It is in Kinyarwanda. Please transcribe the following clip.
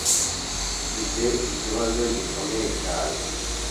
Mfite ikibazo gikomeye cyane